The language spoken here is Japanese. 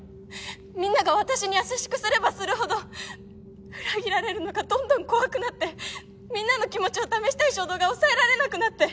みんなが私に優しくすればするほど裏切られるのがどんどん怖くなってみんなの気持ちを試したい衝動が抑えられなくなって。